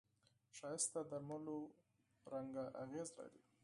ښایست د درملو په څېر اغېز لري